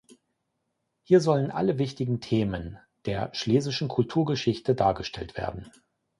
Hier sollen alle wichtigen Themen der schlesischen Kulturgeschichte dargestellt werden.